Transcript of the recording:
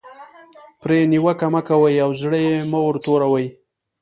پرې نیوکه مه کوئ او زړه یې مه ور توروئ.